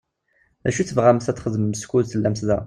D acu i tebɣamt ad t-txedmemt skud tellamt da?